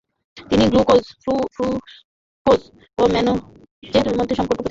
তিনি glucose, fructose ও ম্যানোজের মধ্যে সম্পর্ক প্রতিষ্ঠা করেন।